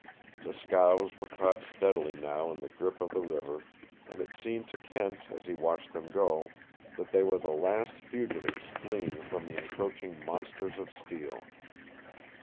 The scows were caught steadily now in the grip of the river, and it seemed to Kent, as he watched them go, that they were the last fugitives fleeing from the encroaching monsters of steel.